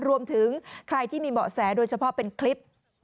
รวมถึงใครที่มีเบาะแสโดยเฉพาะเป็นคลิป